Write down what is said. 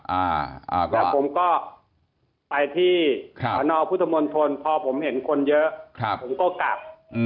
แล้วผมก็ไปที่สอนอพุทธมนตรพอผมเห็นคนเยอะผมก็กลับ